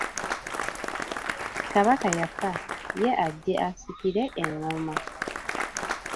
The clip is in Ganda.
Kabaka yafa, ye ajje asikire ennoma.